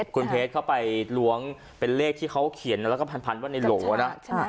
คุณเพชรเขาไปล้วงเป็นเลขที่เขาเขียนแล้วก็พันว่าในโหลนะ